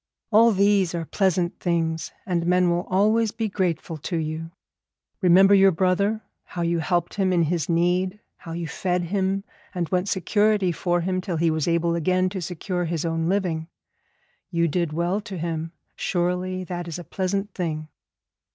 All these are pleasant things, and men will always be grateful to you. Remember your brother, how you helped him in his need, how you fed him and went security for him till he was able again to secure his own living. You did well to him, surely that is a pleasant thing.'